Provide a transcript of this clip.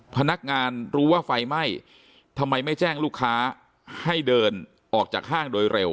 พนักงานรู้ว่าไฟไหม้ทำไมไม่แจ้งลูกค้าให้เดินออกจากห้างโดยเร็ว